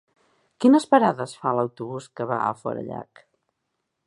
Quines parades fa l'autobús que va a Forallac?